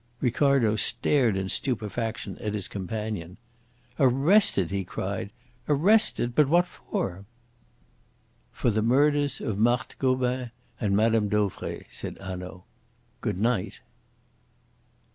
Ricardo stared in stupefaction at his companion. "Arrested!" he cried. "Arrested! But what for?" "For the murders of Marthe Gobin and Mme. Dauvray," said Hanaud. "Good night."